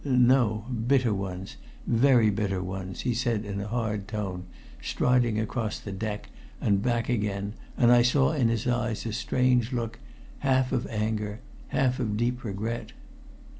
"No. Bitter ones very bitter ones," he said in a hard tone, striding across the deck and back again, and I saw in his eyes a strange look, half of anger, half of deep regret.